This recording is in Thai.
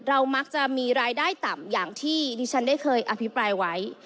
มักจะมีรายได้ต่ำอย่างที่ดิฉันได้เคยอภิปรายไว้